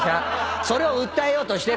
それを訴えようとしてるの！